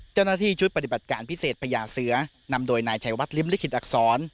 เจ้าหน้าที่ชุดปฏิบัติการพิเศษพญาเสือนำโดยนายชัยวัดริมลิขิตอักษร